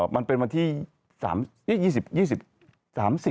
มันเป็นวันที่๒๐มกราศ